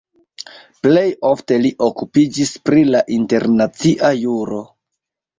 Plej ofte li okupiĝis pri la internacia juro.